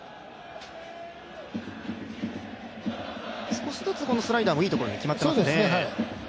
少しずつスライダーもいいところに決まってきていますね。